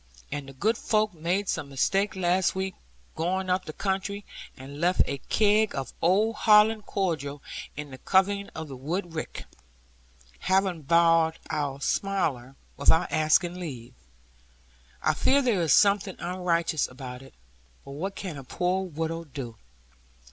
And the good folk made some mistake last week, going up the country, and left a keg of old Holland cordial in the coving of the wood rick, having borrowed our Smiler, without asking leave. I fear there is something unrighteous about it. But what can a poor widow do?